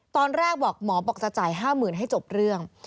ตอนแรกบอกหมอบอกจะจ่าย๕๐๐๐ให้จบเรื่อง